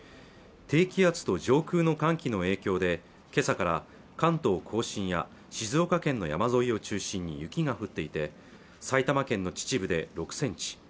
低気圧と上空の寒気の影響で今朝から関東甲信や静岡県の山沿いを中心に雪が降っていて埼玉県の秩父で６センチ